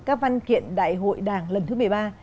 các văn kiện đại hội đảng lần thứ một mươi ba